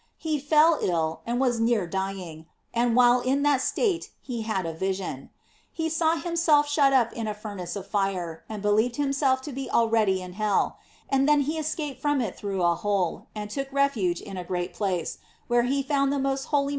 He fell ill, and was near dying, and while in that state he had a vision. He saw himself shut up in a furnace of fire, and believed himself to be already in hell; and then he escap ed from it through a hole and took refuge in a great place, where he found the most holy Mary * Teeoro del Rosar.